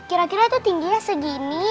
kira kira itu tingginya segini